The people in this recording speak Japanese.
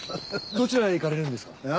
どちらへ行かれるんですか？